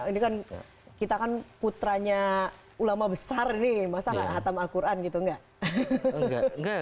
ini kan kita kan putranya ulama besar nih masa gak hatam al quran gitu enggak